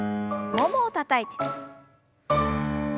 ももをたたいて。